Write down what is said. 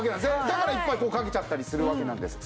だからいっぱいこうかけちゃったりするわけなんです。